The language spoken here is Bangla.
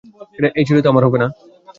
এই চুড়ি তো আমার হবে না।